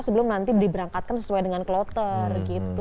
sebelum nanti diberangkatkan sesuai dengan kloten